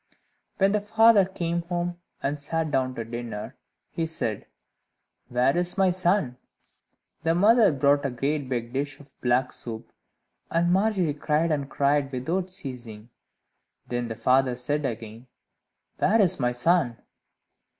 When the father came home, and sat down to dinner, he said, "Where is my son?" The mother brought a great big dish of black soup, and Margery cried and cried without ceasing. Then the father said again, "Where is my son?"